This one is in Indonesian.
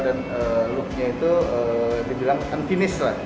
dan looknya itu dibilang unfinished lah